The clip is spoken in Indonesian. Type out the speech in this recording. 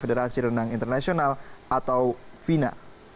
federasi renang internasional atau vina